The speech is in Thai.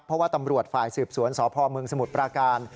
เพราะว่าตำรวจฝ่ายสืบสวนสพเมืองสมุทรปราการ